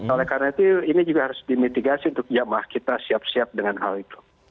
oleh karena itu ini juga harus dimitigasi untuk jamaah kita siap siap dengan hal itu